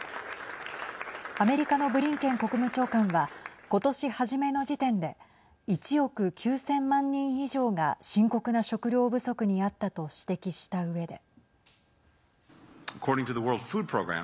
アメリカのブリンケン国務長官は今年初めの時点で１億９０００万人以上が深刻な食料不足にあったと指摘したうえで。